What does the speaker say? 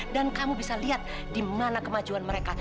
dan kamu bisa lihat di mana kemajuan mereka